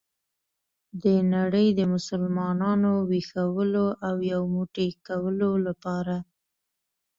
د نړۍ د مسلمانانو ویښولو او یو موټی کولو لپاره.